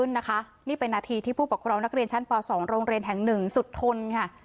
นี่เป็นนาทีที่ผู้ปกครองนักเรียนชั้นป๒โรงเรียนแห่งหนึ่งสุดทนค่ะ